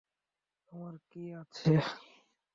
আমার কে আছে?